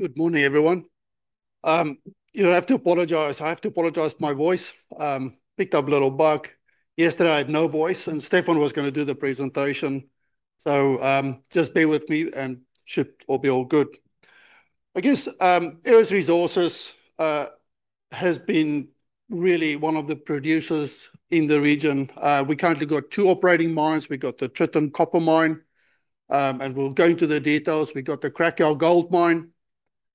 Good morning, everyone. I have to apologize for my voice. Picked up a little bug. Yesterday, I had no voice, and Stefan was going to do the presentation. Just bear with me, and it should all be all good. I guess, Aeris Resources has been really one of the producers in the region. We currently got two operating mines. We've got the Tritton Copper Mine, and we'll go into the details. We've got the Cracow Gold Mine,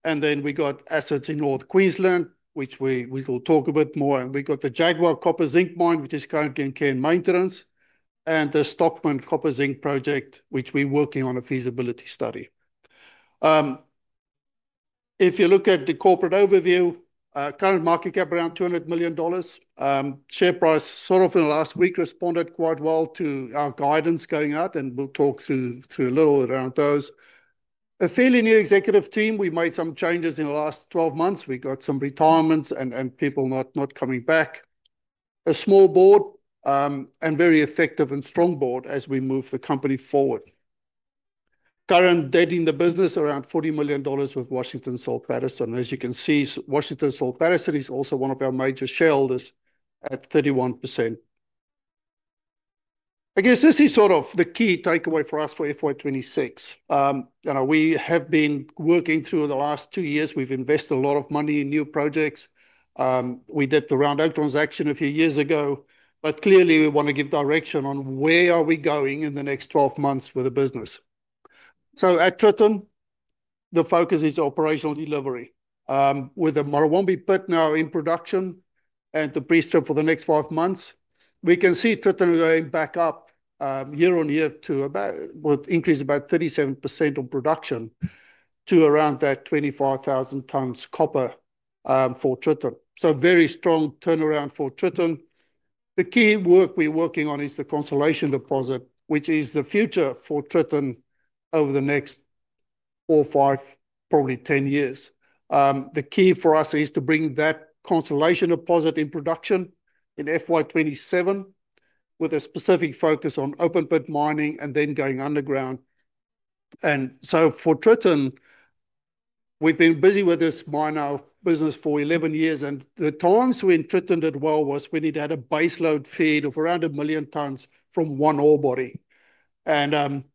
and then we've got assets in North Queensland, which we'll talk a bit more. We've got the Jaguar Copper-Zinc Mine, which is currently in care and maintenance, and the Stockman Copper-Zinc Project, which we're working on a feasibility study. If you look at the corporate overview, current market cap around $200 million. Share price sort of in the last week responded quite well to our guidance going out, and we'll talk through a little around those. A fairly new executive team. We made some changes in the last 12 months. We got some retirements and people not coming back. A small board, and very effective and strong board as we move the company forward. Current debt in the business around $40 million with Washington H. Soul Pattinson Company Limited. As you can see, Washington H. Soul Pattinson Company Limited is also one of our major shareholders at 31%. I guess this is sort of the key takeaway for us for FY26. We have been working through the last two years. We've invested a lot of money in new projects. We did the Roundup Resources transaction a few years ago, but clearly we want to give direction on where are we going in the next 12 months with the business. At Tritton, the focus is operational delivery. With the Marra Mamba Open Pit now in production and the pre-strip for the next five months, we can see Tritton going back up, year on year to about, with increase about 37% on production to around that 25,000 tons copper, for Tritton. Very strong turnaround for Tritton. The key work we're working on is the Constellation Deposit, which is the future for Tritton over the next four, five, probably 10 years. The key for us is to bring that Constellation Deposit in production in FY27 with a specific focus on open pit mining and then going underground. For Tritton, we've been busy with this mine now, business for 11 years, and the times when Tritton did well was when it had a base load feed of around a million tons from one ore body.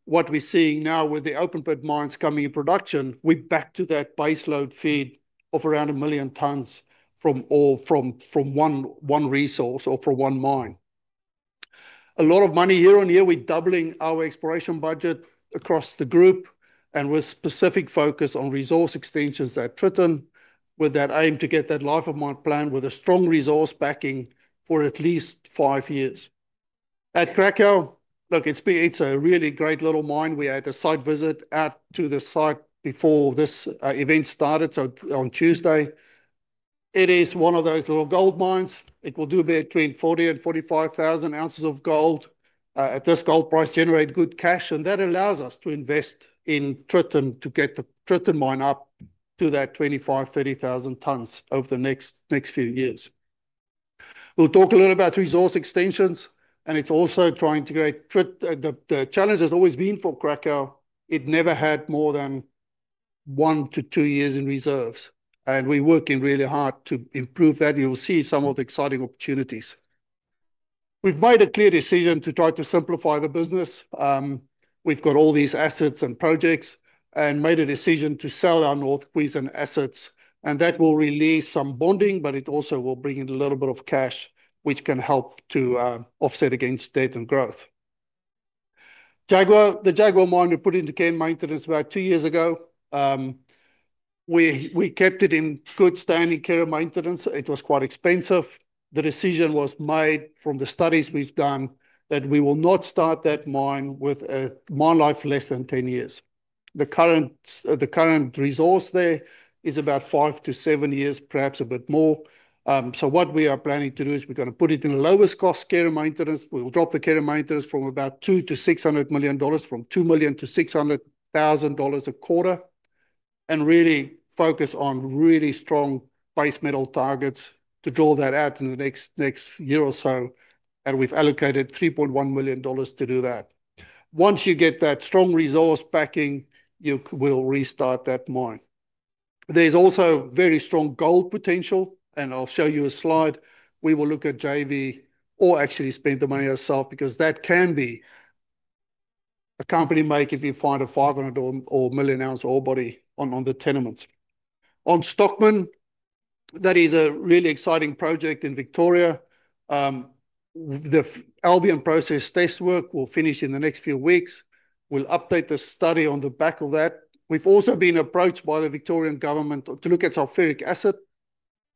What we're seeing now with the open pit mines coming in production, we're back to that base load feed of around a million tons from ore, from one resource or from one mine. A lot of money year on year. We're doubling our exploration budget across the group with specific focus on resource extensions at Tritton with that aim to get that life of mine planned with a strong resource backing for at least five years. At Cracow, look, it's been a really great little mine. We had a site visit at the site before this event started, on Tuesday. It is one of those little gold mines. It will do between 40,000 and 45,000 ounces of gold. At this gold price, generate good cash, and that allows us to invest in Tritton to get the Tritton mine up to that 25,000 to 30,000 tons over the next few years. We'll talk a little about resource extensions, and it's also trying to create the challenge that's always been for Cracow. It never had more than one to two years in reserves, and we're working really hard to improve that. You'll see some of the exciting opportunities. We've made a clear decision to try to simplify the business. We've got all these assets and projects and made a decision to sell our North Queensland assets, and that will release some bonding, but it also will bring in a little bit of cash, which can help to offset against debt and growth. The Jaguar mine we put into care and maintenance about two years ago. We kept it in good standing care and maintenance. It was quite expensive. The decision was made from the studies we've done that we will not start that mine with a mine life less than 10 years. The current resource there is about five to seven years, perhaps a bit more. What we are planning to do is we're going to put it in the lowest cost care and maintenance. We'll drop the care and maintenance from about $2,000,000 to $600,000 a quarter, and really focus on really strong base metal targets to draw that out in the next year or so. We've allocated $3.1 million to do that. Once you get that strong resource backing, you will restart that mine. There's also very strong gold potential, and I'll show you a slide. We will look at JV or actually spend the money ourselves because that can be a company maker if you find a 500,000 or a million ounce ore body on the tenements. On Stockman, that is a really exciting project in Victoria. The Albion Process test work will finish in the next few weeks. We'll update the study on the back of that. We've also been approached by the Victorian Government to look at sulfuric acid.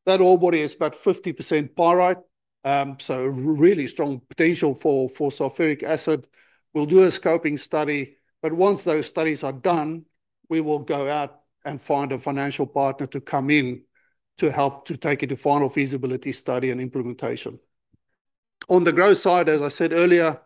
That ore body is about 50% pyrite, so really strong potential for sulfuric acid. We'll do a scoping study, but once those studies are done, we will go out and find a financial partner to come in to help to take it to final feasibility study and implementation. On the growth side, as I said earlier,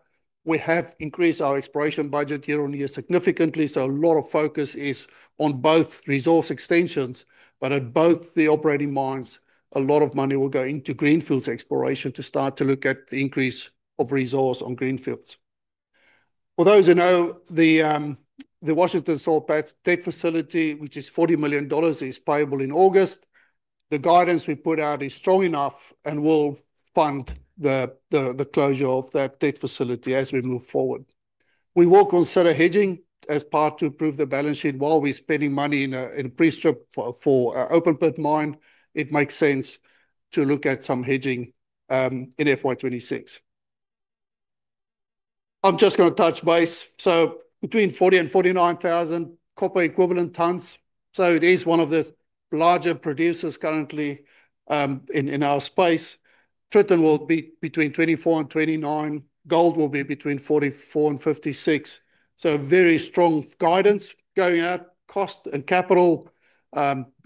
we have increased our exploration budget year on year significantly, so a lot of focus is on both resource extensions, but at both the operating mines, a lot of money will go into greenfields exploration to start to look at the increase of resource on greenfields. For those who know, the Washington H. Soul Pattinson Company Limited debt facility, which is $40 million, is payable in August. The guidance we put out is strong enough and will fund the closure of that debt facility as we move forward. We will consider hedging as part to prove the balance sheet while we're spending money in a pre-strip for an open pit mine. It makes sense to look at some hedging, in FY26. I'm just going to touch base. Between 40,000 and 49,000 copper equivalent tonnes. It is one of the larger producers currently, in our space. Tritton will be between 24,000 and 29,000. Gold will be between 44,000 and 56,000. Very strong guidance going out. Cost and capital,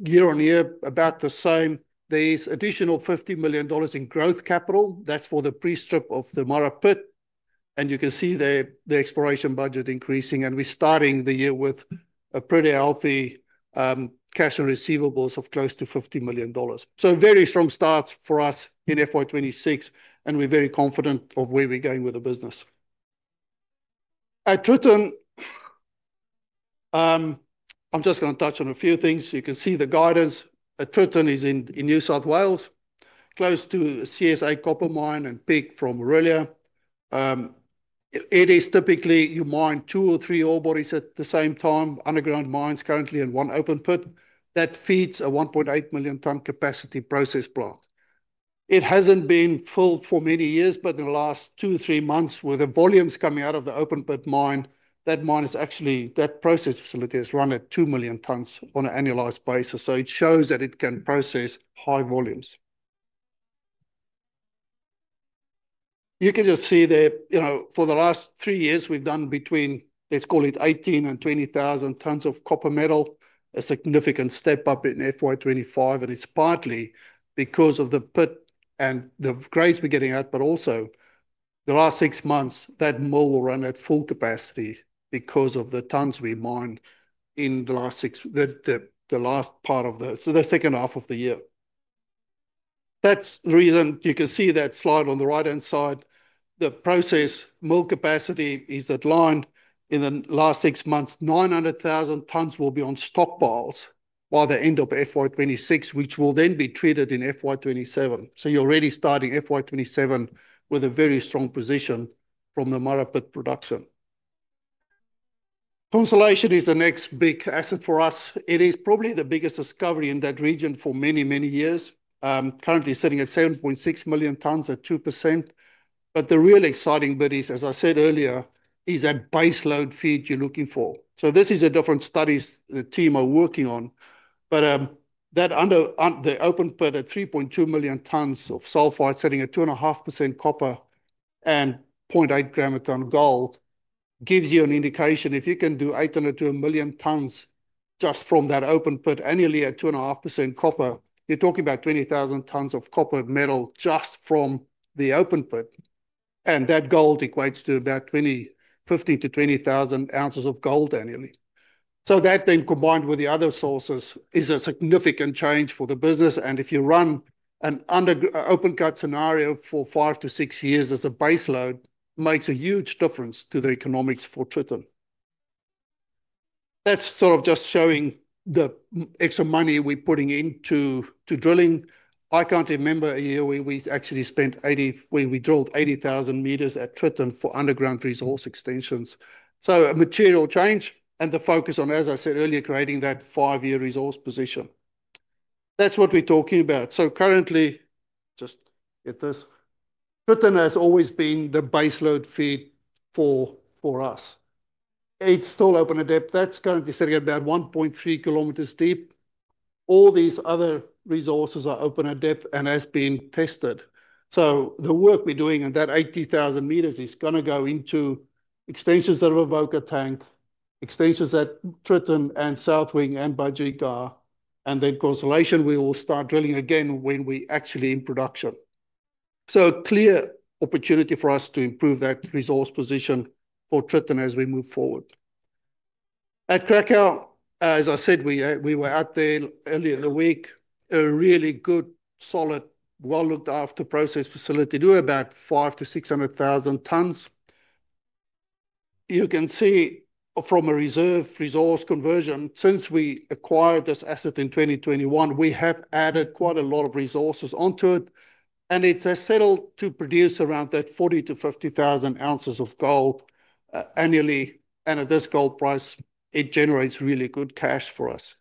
year on year, about the same. There's additional $50 million in growth capital. That's for the pre-strip of the Marra Mamba Open Pit. You can see the exploration budget increasing, and we're starting the year with a pretty healthy cash and receivables of close to $50 million. Very strong start for us in FY26, and we're very confident of where we're going with the business. At Tritton, I'm just going to touch on a few things. You can see the guidance. Tritton is in New South Wales, close to CSA copper mine and [big] from Orillia. Typically, you mine two or three ore bodies at the same time. Underground mines currently in one open pit. That feeds a 1.8 million tonne capacity process plant. It hasn't been full for many years, but in the last two, three months, with the volumes coming out of the open pit mine, that mine is actually, that process facility is run at 2 million tonnes on an annualized basis. It shows that it can process high volumes. You can just see that for the last three years, we've done between, let's call it 18,000 and 20,000 tonnes of copper metal, a significant step up in FY25. It is partly because of the pit and the grades we're getting out, but also the last six months, that mill will run at full capacity because of the tons we mined in the last six, the last part of the, so the second half of the year. That's the reason. You can see that slide on the right-hand side. The process mill capacity is that line. In the last six months, 900,000 tons will be on stockpiles by the end of FY26, which will then be treated in FY27. You're already starting FY27 with a very strong position from the Marra Mamba Open Pit production. Constellation is the next big asset for us. It is probably the biggest discovery in that region for many, many years. Currently sitting at 7.6 million tons at 2%. The real exciting bit is, as I said earlier, is that base load feed you're looking for. This is a different study the team are working on. That under the open pit at 3.2 million tons of sulfide, sitting at 2.5% copper and 0.8 gram a ton of gold, gives you an indication if you can do 3.2 million tons just from that open pit annually at 2.5% copper, you're talking about 20,000 tons of copper metal just from the open pit. That gold equates to about 15,000 to 20,000 ounces of gold annually. That then combined with the other sources is a significant change for the business. If you run an open cut scenario for five to six years as a base load, it makes a huge difference to the economics for Tritton. That's sort of just showing the extra money we're putting into drilling. I can't remember a year where we actually spent, where we drilled 80,000 meters at Tritton for underground resource extensions. A material change and the focus on, as I said earlier, creating that five-year resource position. That's what we're talking about. Currently, just get this, Tritton has always been the base load feed for us. It's still open at depth. That's currently sitting at about 1.3 kilometers deep. All these other resources are open at depth and have been tested. The work we're doing on that 80,000 meters is going to go into extensions at Budgerigar Tank, extensions at Tritton and South Wing and Budgerigar, and then Constellation we will start drilling again when we're actually in production. A clear opportunity for us to improve that resource position for Tritton as we move forward. At Cracow, as I said, we were out there earlier in the week, a really good, solid, well-looked-after process facility. Do about 500,000 to 600,000 tons. You can see from a reserve resource conversion, since we acquired this asset in 2021, we have added quite a lot of resources onto it. It has settled to produce around that 40,000 to 50,000 ounces of gold annually. At this gold price, it generates really good cash for us.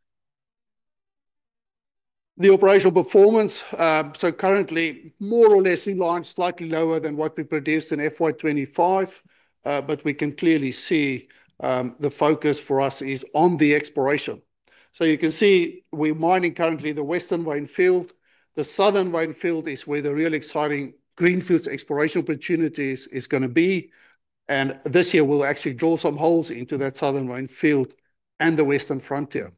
The operational performance is currently more or less in line, slightly lower than what we produced in FY25. We can clearly see the focus for us is on the exploration. You can see we're mining currently the Western Windfield. The Southern Windfield is where the real exciting greenfields exploration opportunity is going to be. This year, we'll actually draw some holes into that Southern Windfield and the Western Frontier.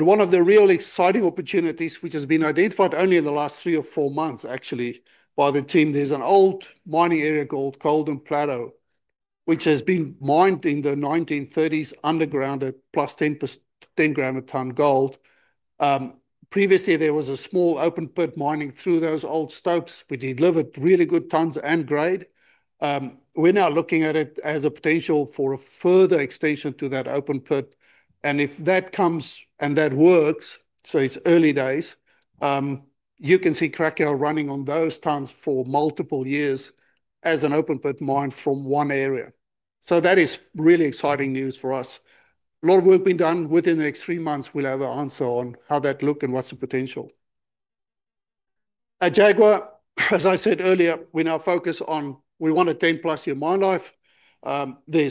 One of the real exciting opportunities, which has been identified only in the last three or four months by the team, is an old mining area called Golden Plateau, which was mined in the 1930s underground at plus 10 grams a ton gold. Previously, there was a small open pit mining through those old stopes. We delivered really good tons and grade. We're now looking at it as a potential for a further extension to that open pit. If that comes and that works, it is early days, you can see Cracow running on those tons for multiple years as an open pit mine from one area. That is really exciting news for us. A lot of work is being done. Within the next three months, we'll have an answer on how that looks and what's the potential. At Jaguar, as I said earlier, we now focus on wanting a 10-plus year mine life. There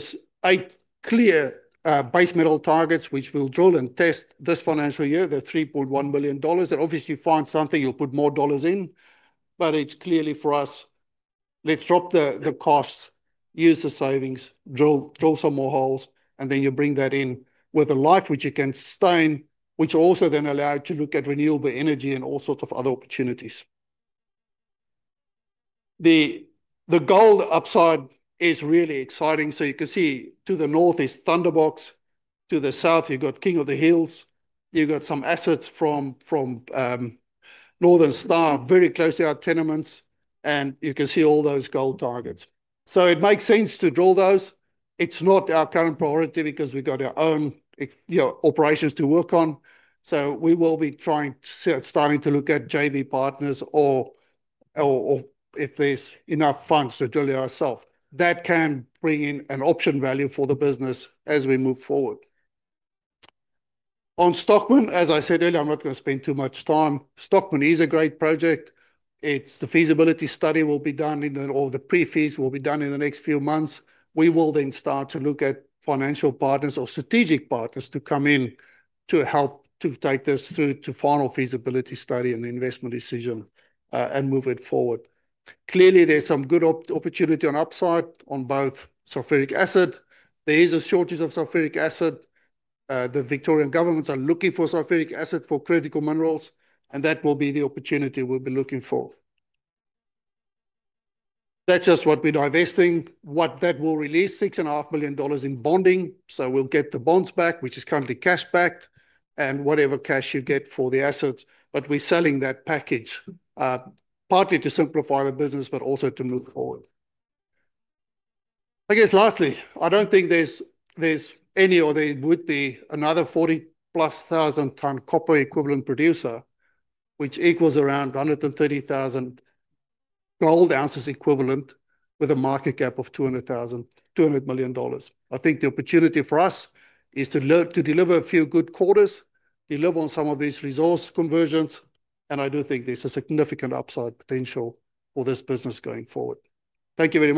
are eight clear base metal targets, which we'll drill and test this financial year, the $3.1 million. Obviously, if you find something, you'll put more dollars in, but it's clearly for us, let's drop the costs, use the savings, drill some more holes, and then you bring that in with a life which you can sustain, which will also then allow you to look at renewable energy and all sorts of other opportunities. The gold upside is really exciting. You can see to the north is Thunderbox. To the south, you've got King of the Hills. You've got some assets from Northern Star Resources Limited, very close to our tenements. You can see all those gold targets. It makes sense to draw those. It's not our current priority because we've got our own operations to work on. We will be trying to start to look at JV partners, or if there's enough funds, to drill it ourselves. That can bring in an option value for the business as we move forward. On Stockman, as I said earlier, I'm not going to spend too much time. Stockman is a great project. The feasibility study will be done in the, or the pre-fees will be done in the next few months. We will then start to look at financial partners or strategic partners to come in to help to take this through to final feasibility study and investment decision, and move it forward. Clearly, there's some good opportunity on upside on both sulfuric acid. There is a shortage of sulfuric acid. The Victorian Government are looking for sulfuric acid for critical minerals, and that will be the opportunity we'll be looking for. That's just what we're divesting, what that will release, $6.5 million in bonding. We'll get the bonds back, which is currently cash-backed, and whatever cash you get for the assets. We're selling that package, partly to simplify the business, but also to move forward. Lastly, I don't think there would be another 40-plus thousand ton copper equivalent producer, which equals around 130,000 gold ounces equivalent with a market cap of $200 million. I think the opportunity for us is to deliver a few good quarters, deliver on some of these resource conversions, and I do think there's a significant upside potential for this business going forward. Thank you very much.